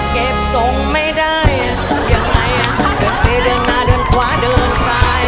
เก็บส่งไม่ได้ยังไงอ่ะเดินเสเดินหน้าเดินขวาเดินซ้าย